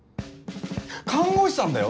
看護師さんだよ？